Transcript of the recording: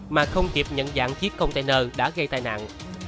mà không kịp nhận dạng chiếc container đã gây tai nạn